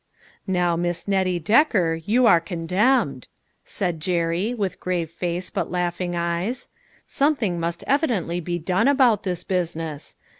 "Now, Miss Nettie Decker, you are con demned !" said Jerry, with grave face but laugh ing eyes; "something must evidently be done about this business.